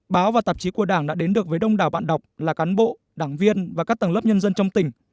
báo và tạp chí của đảng đã đến được với đông đảo bạn đọc là cán bộ đảng viên và các tầng lớp nhân dân trong tỉnh